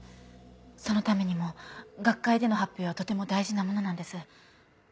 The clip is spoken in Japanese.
そのためにも学会での発表はとても大事なものなんです。